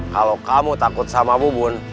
kalau kamu takut sama bun